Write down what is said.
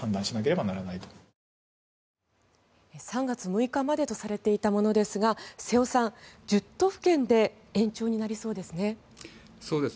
３月６日までとされていたものですが瀬尾さん、１０都府県で延長になりそうですね。